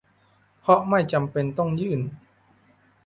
เพราะไม่จำเป็นต้องยื่น